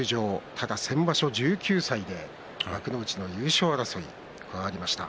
ただ先場所１９歳で幕内の優勝争いがありました。